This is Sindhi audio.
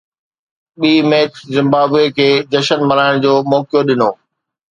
ٻئين ميچ زمبابوي کي جشن ملهائڻ جو موقعو ڏنو